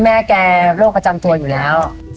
แม่โรคจำตัวอยู่แล้ว